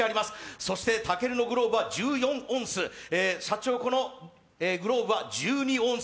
そして武尊のグローブは１４オンス、シャチホコのグローブは１２オンス。